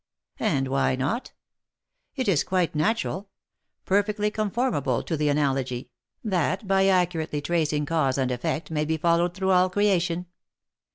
And why not? It is quite natural — perfectly conformable to the analogy, that, by accurately tracing cause and effect, may be followed through all creation.